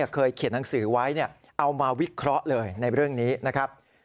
เคยเขียนหนังสือไว้เอามาวิเคราะห์เลยในเรื่องนี้นะครับ